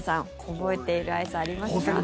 覚えているアイスありますか？